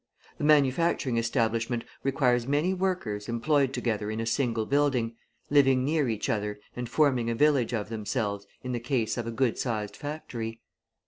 A manufacturing establishment requires many workers employed together in a single building, living near each other and forming a village of themselves in the case of a good sized factory.